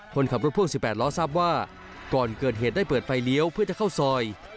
คนขับรถพ่วง๑๘ล้อทราบว่าก่อนเกิดเหตุได้เปิดไฟเลี้ยวเพื่อจะเข้าซอย